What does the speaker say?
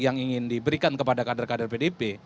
yang ingin diberikan kepada kader kader pdip